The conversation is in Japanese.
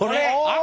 あ！